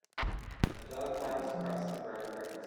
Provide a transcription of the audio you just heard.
A dog bounds across the brown grass.